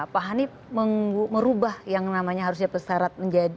pak hanif merubah yang namanya harusnya pesarat menjadi